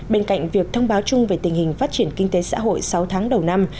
bên cạnh việc thông báo chung về tình hình phát triển kinh tế xã hội sáu tháng đầu năm